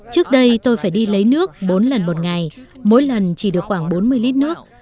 trước đây tôi phải đi lấy nước bốn lần một ngày mỗi lần chỉ được khoảng bốn mươi lít nước